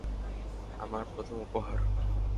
আমার প্রথম উপহার।